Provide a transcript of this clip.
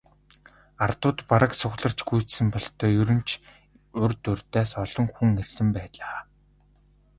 Ардууд бараг цугларч гүйцсэн бололтой, ер нь ч урьд урьдаас олон хүн ирсэн байлаа.